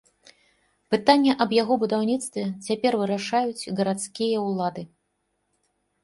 Пытанне аб яго будаўніцтве цяпер вырашаюць гарадскія ўлады.